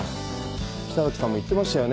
北脇さんも言ってましたよね？